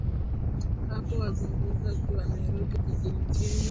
hapo azungumza akiwa nairobi jijini kenya